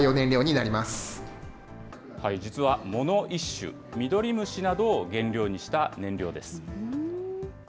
実は藻の一種、ミドリムシなどを原料にした燃料です。